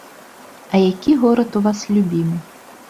А які горад у вас любімы?